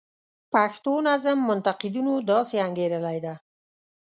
پښتو نظم منتقدینو داسې انګیرلې ده.